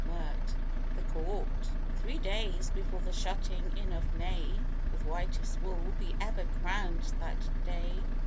MIRT. The Court. Three days before the shutting in of May, (With whitest wool be ever crown'd that day!)